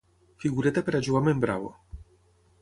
Figureta per jugar amb en Bravo.